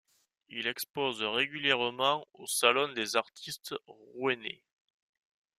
Il expose régulièrement au Salon des artistes rouennais.